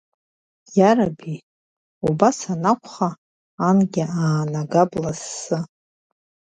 Иараби, убас анакәха, ангьы аанагап лассы.